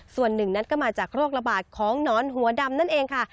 ส่วนหนึ่งนั้นก็มาจากโรคระบาดของหนอนหัวดำนั่นเองค่ะ